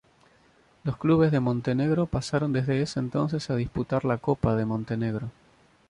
Los clubes de Montenegro pasaron desde ese entonces a disputar la Copa de Montenegro.